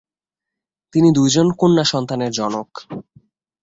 তিনি দুইজন কন্যা সন্তানের জনক।